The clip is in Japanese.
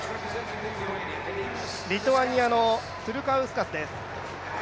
リトアニアのトゥルカウスカスです。